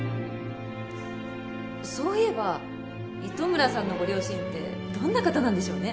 そういえば糸村さんのご両親ってどんな方なんでしょうね？